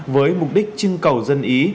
với mục đích chưng cầu dân ý